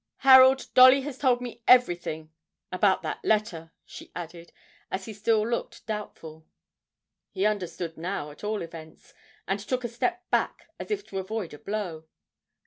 Harold, Dolly has told me everything about that letter,' she added, as he still looked doubtful. He understood now at all events, and took a step back as if to avoid a blow.